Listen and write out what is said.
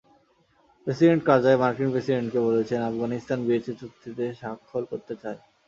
President Karzai মার্কিন প্রেসিডেন্টকে বলেছেন, আফগানিস্তান বিএসএ চুক্তিতে স্বাক্ষর করতে চায়।